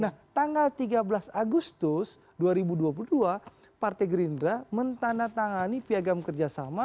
nah tanggal tiga belas agustus dua ribu dua puluh dua partai gerindra mentandatangani piagam kerjasama